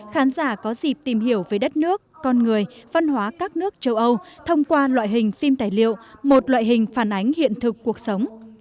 khán giả có dịp tìm hiểu về đất nước con người văn hóa các nước châu âu thông qua loại hình phim tài liệu một loại hình phản ánh hiện thực cuộc sống